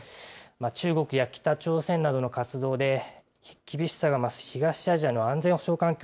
中国や北朝鮮などの活動で、厳しさが増す東アジアの安全保障環境。